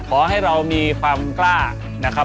ขอให้เรามีความกล้านะครับ